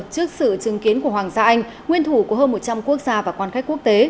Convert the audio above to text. trước sự chứng kiến của hoàng gia anh nguyên thủ của hơn một trăm linh quốc gia và quan khách quốc tế